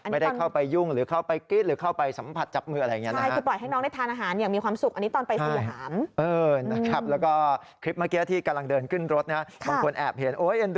ไม่ได้เข้าไปยุ่งหรือเข้าไปกรี๊ดหรือเข้าไปสัมผัสจับมืออะไรอย่างนี้นะ